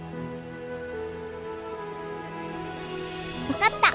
分かった！